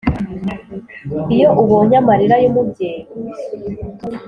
iyo ubonye amalira y’umubyeyi